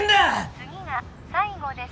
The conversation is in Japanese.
次が最後です